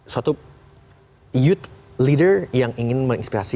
suatu youth leader yang ingin menginspirasi